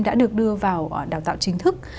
đã được đưa vào đào tạo chính thức